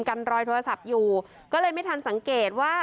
กันรอยโทรศัพท์อยู่ก็เลยไม่ทันสังเกตว่า